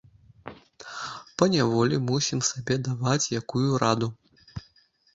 Паняволі мусім сабе даваць якую раду.